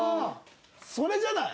それじゃない？